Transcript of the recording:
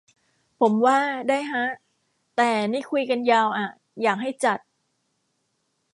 ผมว่า ได้ฮะ แต่ นี่คุยกันยาวอะ อยากให้จัด